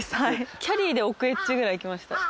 キャリーで奥エッジくらい行きました。